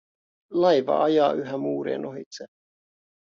Laiva ajaa yhä muurien ohitse.